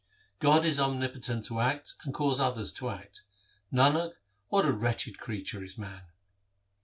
God is omnipotent to act and cause others to act ; Nanak, what a wretched creature is man